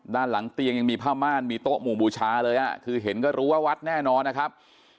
ด้านหลังเตียงยังมีผ้าม่านมีโต๊ะหมู่บูชาเลยอ่ะคือเห็นก็รู้ว่าวัดแน่นอนนะครับ